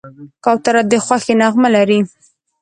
کوتره د خوښۍ نغمه لري.